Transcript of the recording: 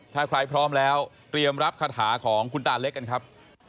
ถ้าใครพร้อมแล้วเตรียมรับคาถาของคุณตาเล็กกันครับ